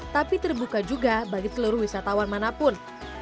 tapi terbuka juga bagi seluruh wisatawan manapun